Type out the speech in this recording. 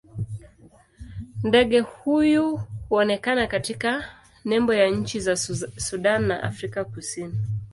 Ndege huyu huonekana katika nembo ya nchi za Sudan na Afrika Kusini.